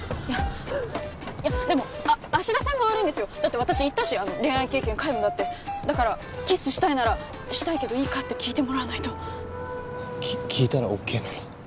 いやいやでも芦田さんが悪いんですよだって私言ったし恋愛経験皆無だってだからキスしたいならしたいけどいいかって聞いてもらわないと聞いたらＯＫなの？